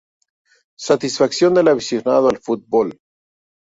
Satisfacción del aficionado al fútbol.